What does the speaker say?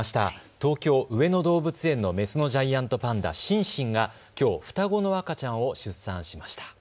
東京上野動物園のメスのジャイアントパンダ、シンシンがきょう双子の赤ちゃんを出産しました。